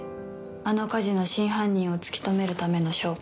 あの火事の真犯人を突き止めるための証拠。